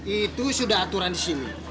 itu sudah aturan di sini